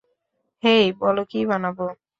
হেই, বলো কী বানাবো?